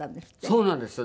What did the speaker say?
そうなんですよ。